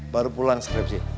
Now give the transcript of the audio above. baru pulang skripsi